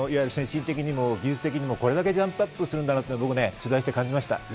精神的にも技術的にもこれだけジャンプアップするんだなと取材して感じました。